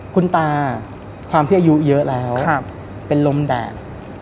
คุณตาความที่อายุเยอะแล้วเป็นลมแดด